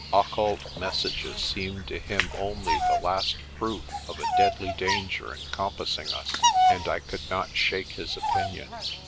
Occult messages seemed to him only the last proof of a deadly danger encompassing us, and I could not shake his opinion.